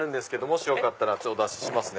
もしよかったらお出ししますね。